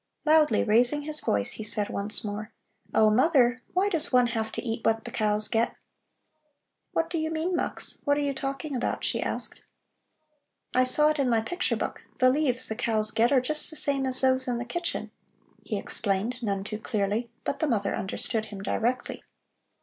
Loudly raising his voice he said once more: "Oh, mother, why does one have to eat what the cows get?" "What do you mean, Mux? What are you talking about?" she asked. "I saw it in my picture book. The leaves the cows get are just the same as those in the kitchen," he explained none too clearly, but the mother understood him directly.